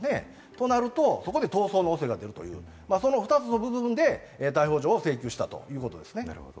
となると、逃走の恐れが出る、２つの部分で逮捕状を請求したということですね。